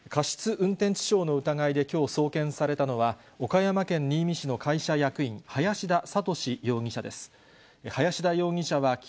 運転致傷の疑いで、きょう送検されたのは、岡山県新見市の会社役員、林田覚容疑者です。